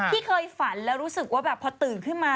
ที่เคยฝันแล้วรู้สึกว่าแบบพอตื่นขึ้นมา